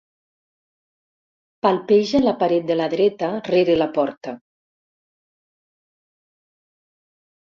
Palpeja la paret de la dreta, rere la porta.